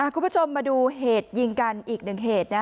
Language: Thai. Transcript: คุณผู้ชมมาดูเหตุยิงกันอีกหนึ่งเหตุนะ